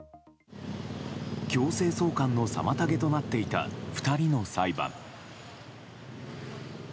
強制送還の妨げとなっていた２人の裁判。